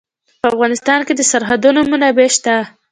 په افغانستان کې د سرحدونه منابع شته.